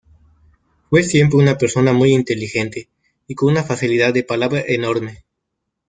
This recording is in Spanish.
Fue siempre una persona muy inteligente y con una facilidad de palabra enorme.